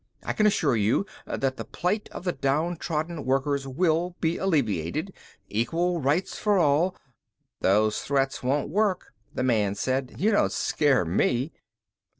I can assure you that the plight of the downtrodden workers will be alleviated. Equal rights for all " "These threats won't work," the man said. "You don't scare me."